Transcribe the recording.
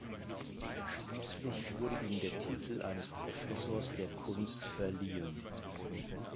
Schließlich wurde ihm der Titel eines Professors der Kunst verliehen.